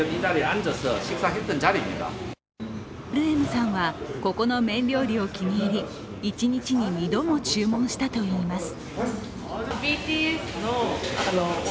ＲＭさんはここの麺料理を気に入り一日に２度も注文したといいます。